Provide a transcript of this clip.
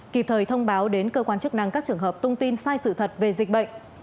kịp thời thông báo đến cơ quan chức năng các trường hợp thông tin sai sự thật về dịch bệnh